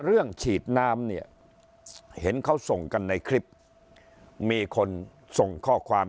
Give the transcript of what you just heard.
ฉีดน้ำเนี่ยเห็นเขาส่งกันในคลิปมีคนส่งข้อความ